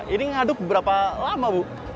ini ngaduk berapa lama bu